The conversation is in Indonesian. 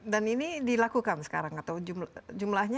dan ini dilakukan sekarang atau jumlahnya